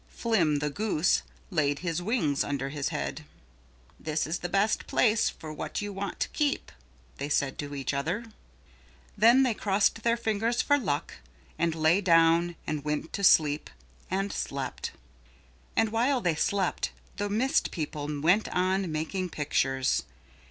Flim the Goose laid his wings under his head. "This is the best place for what you want to keep," they said to each other. Then they crossed their fingers for luck and lay down and went to sleep and slept. And while they slept the mist people went on making pictures.